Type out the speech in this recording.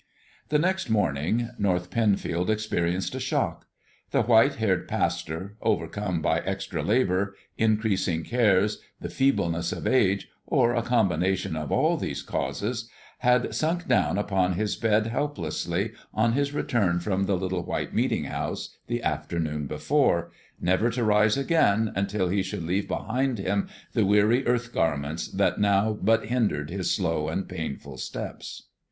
The next morning, North Penfield experienced a shock. The white haired pastor, overcome by extra labor, increasing cares, the feebleness of age, or a combination of all these causes, had sunk down upon his bed helplessly, on his return from the little white meeting house the afternoon before, never to rise again until he should leave behind him the weary earth garments that now but hindered his slow and painful steps.